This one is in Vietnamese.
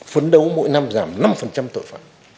phấn đấu mỗi năm giảm năm tội phạm